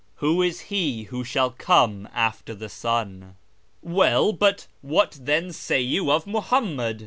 " Who is He who shall come after the Son ?'"" Well, but what then say you of Muhammad